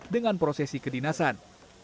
dengan prosesi kedinasan